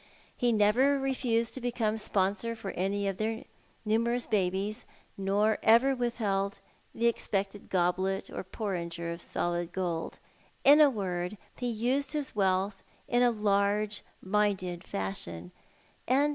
He never refused to become sponsor for any of the numerous babies, nor ever withheld the expected goblet or porringer of solid gold. In a word, ho used his wealth in a large minded fashion, and